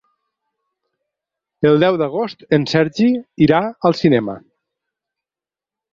El deu d'agost en Sergi irà al cinema.